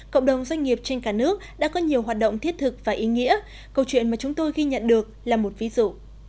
cộng đồng doanh nghiệp trên cả nước đã có nhiều hoạt động thiết thực và ý nghĩa câu chuyện mà chúng tôi ghi nhận được là một ví dụ